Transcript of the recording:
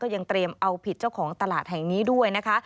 ยังเตรียมเอาผิดเจ้าของตลาดแห่งนี้ด้วยนะคะ